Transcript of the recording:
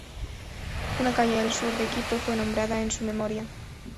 Una calle al sur de Quito fue nombrada en su memoria.